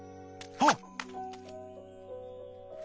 あっ！